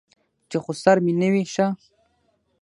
چې خسر مې نه وي ښه.